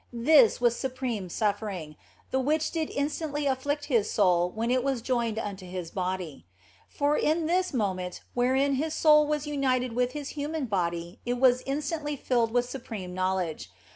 This was supreme suffering, the which did instantly afflict His soul when it was joined unto His body. For in that moment wherein His soul was united with His human body it was instantly filled with supreme knowledge.